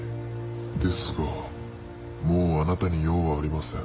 ですがもうあなたに用はありません。